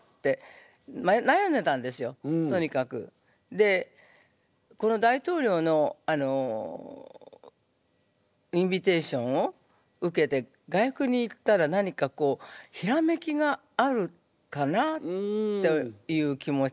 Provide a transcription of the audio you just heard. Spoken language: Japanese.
でこの大統領のインビテーションを受けて外国に行ったら何かこうひらめきがあるかなという気持ちで。